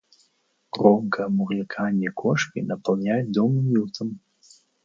Громкое мурлыканье кошки наполняет дом уютом.